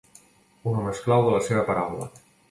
Un home esclau de la seva paraula.